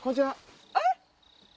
えっ！